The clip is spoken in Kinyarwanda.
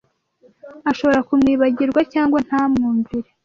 ashobora kumwibagirwa cg ntamwumvire